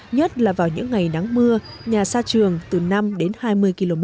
nhất là vào những ngày nắng mưa nhà xa trường từ năm đến hai mươi km